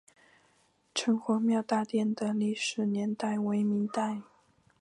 城隍庙大殿的历史年代为明代。